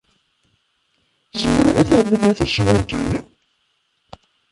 Zemreɣ ad reḍleɣ tasiwant-nnem?